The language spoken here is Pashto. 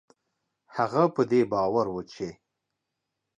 هغه په دې باور و چې